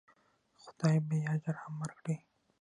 خدای به یې اجر هم ورکړي.